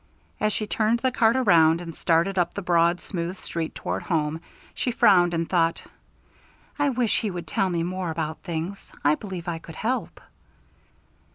As she turned the cart around and started up the broad smooth street toward home she frowned, and thought, "I wish he would tell me more about things. I believe I could help."